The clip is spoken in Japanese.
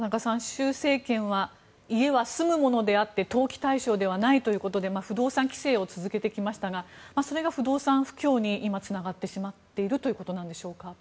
習政権は家は住むものであって投機対象ではないということで不動産規制を続けてきましたがそれが不動産不況につながってしまっているということなんでしょうか。